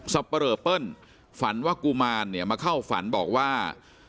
เปรอเปิ้ลฝันว่ากุมารเนี่ยมาเข้าฝันบอกว่า